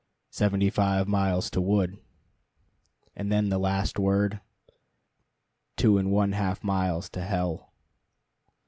Seventy five miles to wood. And then the last word: Two and one half miles to hell.